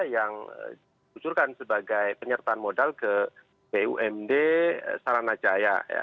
yang disusurkan sebagai penyertaan modal ke bumd saranacaya